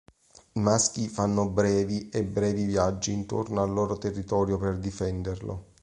I maschi fanno brevi e brevi viaggi intorno al loro territorio per difenderlo.